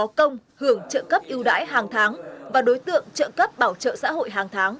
có công hưởng trợ cấp yêu đãi hàng tháng và đối tượng trợ cấp bảo trợ xã hội hàng tháng